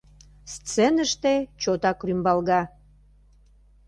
Сценыште чотак рӱмбалга.